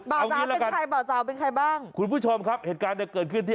เอาอย่างนี้ละกันคุณผู้ชมครับเหตุการณ์เนี่ยเกิดขึ้นที่